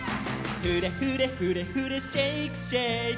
「フレフレフレフレシェイクシェイク」